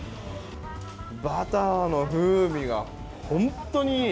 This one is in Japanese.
バターの風味が本当にいい！